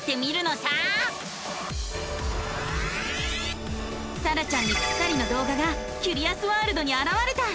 さらちゃんにぴったりの動画がキュリアスワールドにあらわれた！